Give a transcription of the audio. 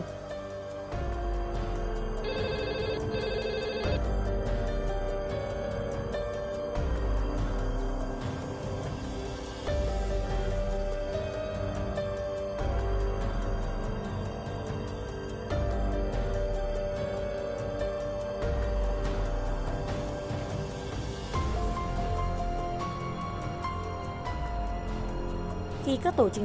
các tổ trinh sát đều khéo léo nguy trang